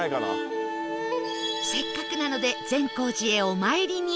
せっかくなので善光寺へお参りに